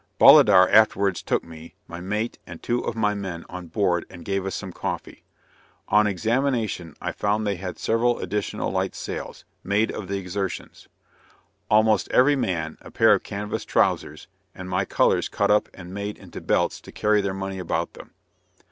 Bolidar afterwards took me, my mate and two of my men on board and gave us some coffee. On examination I found they had several additional light sails, made of the Exertion's. Almost every man, a pair of canvas trousers; and my colors cut up and made into belts to carry their money about them.